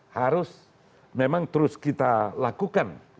harus memang terus kita lakukan